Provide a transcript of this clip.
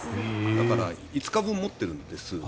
だから、５日分持ってるんです。